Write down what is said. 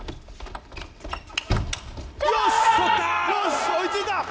よし、追いついた！